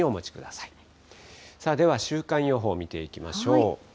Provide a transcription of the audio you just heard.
さあでは、週間予報を見ていきましょう。